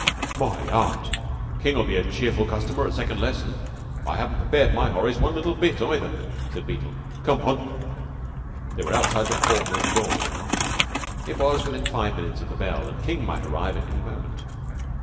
"My Aunt! King'll be a cheerful customer at second lesson. I haven't prepared my Horace one little bit, either," said Beetle. "Come on!" They were outside the form room door now. It was within five minutes of the bell, and King might arrive at any moment.